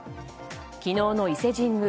昨日の伊勢神宮